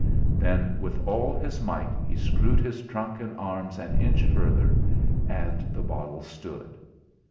Then with all his might he screwed his trunk and arms an inch further, and the bottle stood.